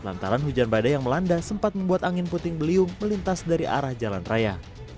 lantaran hujan badai yang melanda sempat membuat angin puting beliung melintas dari arah jalan raya